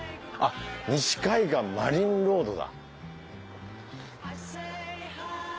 あっ「西海岸マリンロード」だ。